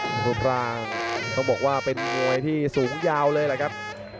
รูปร่างต้องบอกว่าเป็นมวยที่สูงยาวเลยแหละครับ